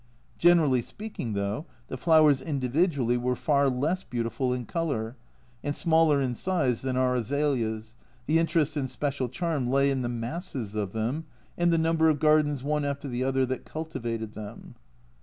Generally speaking, though, the flowers individually were far less beautiful in colour, and smaller in size than our azaleas, the interest and special charm lay in the masses of them, and the number of gardens one after the other that cultivated them.